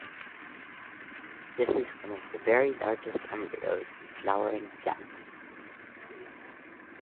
This is one of the very largest embryos in flowering plants.